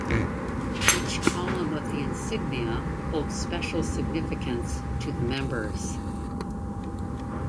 Each column of the insignia holds special significance to the members.